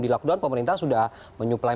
di lockdown pemerintah sudah menyuplai